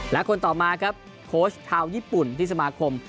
และคนต่อมาครับโค้ชชาวญี่ปุ่นที่สมาคม